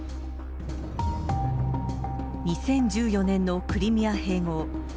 ２０１４年のクリミア併合。